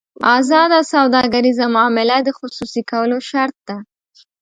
ازاده سوداګریزه معامله د خصوصي کولو شرط ده.